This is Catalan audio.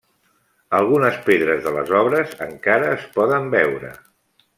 Algunes pedres de les obres encara es poden veure.